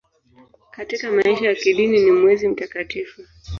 Katika maisha ya kidini ni mwezi mtakatifu.